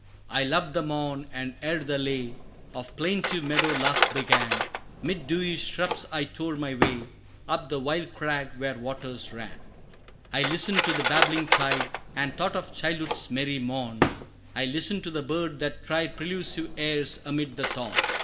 I loved the morn, and ere the lay Of plaintive meadow lark began, 'Mid dewy shrubs I tore my way, Up the wild crag where waters ran. I listened to the babbling tide, And thought of childhood's merry morn, I listened to the bird that tried Prelusive airs, amid the thorn.